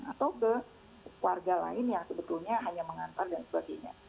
atau ke warga lain yang sebetulnya hanya mengantar dan sebagainya